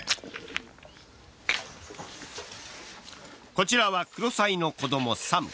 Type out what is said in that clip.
こちらはクロサイの子供・サム。